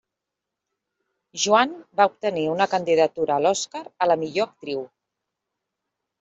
Joan va obtenir una candidatura a l'Oscar a la millor actriu.